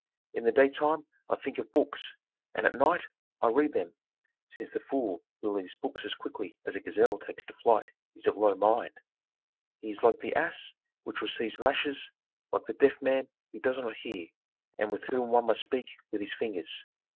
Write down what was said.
In the daytime I think of books, and at night I read them, since the fool who leaves books as quickly as a gazelle takes to flight is of low mind; he is like the ass which receives lashes, like the deaf man who does not hear, and with whom one must speak with his fingers.